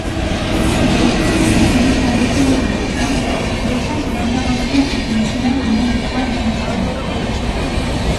D'autres, numériquement beaucoup moins important, défendent l'intervention internationale au nom du droit international.